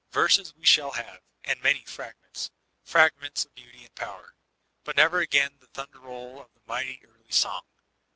Verses we shall have, — and mamy fragments, — frag ments of beauty and power ; but never again the thunder roll of the mighty early song.